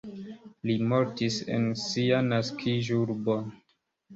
Li mortis en sia naskiĝurbo.